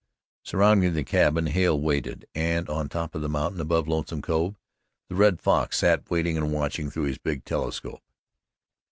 Surrounding the cabin, Hale waited, and on top of the mountain, above Lonesome Cove, the Red Fox sat waiting and watching through his big telescope.